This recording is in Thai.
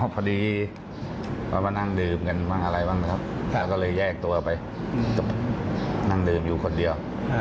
พอดีเขามานั่งดื่มกันบ้างอะไรบ้างนะครับก็เลยแยกตัวไปนั่งดื่มอยู่คนเดียว